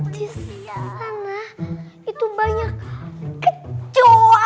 disana itu banyak kecoh